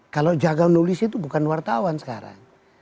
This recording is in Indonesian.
kalau jago nulis itu bukan wartawan sekarang